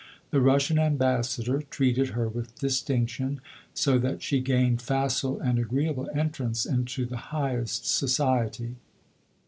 The Russian ambassador treated her with distinction, so that she gained facile and agreeable entrance into the highest society.